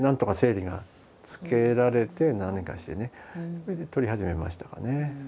それで撮り始めましたかね。